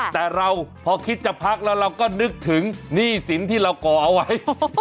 แต่เราพอคิดจะพักแล้วเราก็นึกถึงหนี้สินที่เราก่อเอาไว้